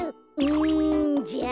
うんじゃあ。